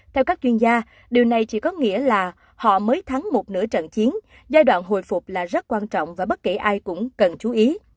theo các chuyên gia điều này chỉ có nghĩa là họ mới thắng một nửa trận chiến giai đoạn hồi phục là rất quan trọng và bất kể ai cũng cần chú ý